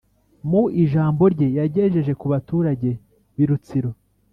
Mu ijambo rye yagejeje ku baturage b'i Rutsiro